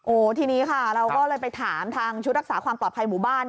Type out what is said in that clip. ทีนี้ค่ะเราก็เลยไปถามทางชุดรักษาความปลอดภัยหมู่บ้าน